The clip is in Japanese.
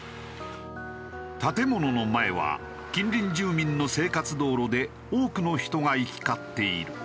建物の前は近隣住民の生活道路で多くの人が行き交っている。